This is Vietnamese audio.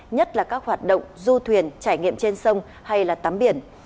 nhất là các hoạt động du thuyền trải nghiệm trên sông hay là tắm biển